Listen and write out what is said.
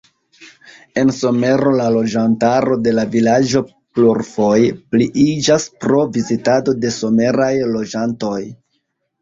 En somero la loĝantaro de la vilaĝo plurfoje pliiĝas pro vizitado de someraj loĝantoj.